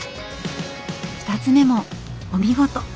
２つ目もお見事。